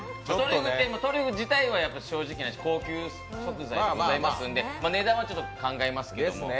トリュフ自体は正直な話、高級食材でございますので値段はちょっと考えますけども。